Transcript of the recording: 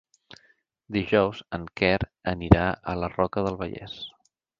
Dijous en Quer anirà a la Roca del Vallès.